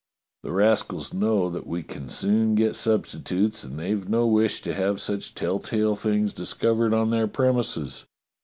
"The rascals know that we can soon get substitutes, and they've no wish to have such telltale things discovered on their premises.